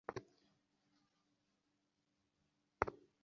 ক্রমে তাঁহার চক্ষে জল দেখা দিল, দ্রুতবেগে অশ্রু পড়িতে লাগিল।